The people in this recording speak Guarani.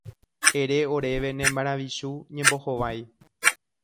Ere oréve ne maravichu ñembohovái.